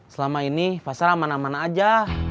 selama ini pasar mana mana saja